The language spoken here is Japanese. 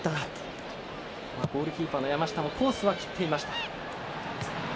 ゴールキーパーの山下もコースは切っていました。